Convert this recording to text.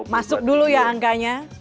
masuk dulu ya angkanya